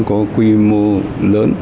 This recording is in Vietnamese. có quy mô lớn